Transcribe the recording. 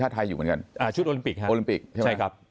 ไทยอยู่เหมือนกันชุดโอลิมปิกครับโอลิมปิกใช่ไหมใช่ครับ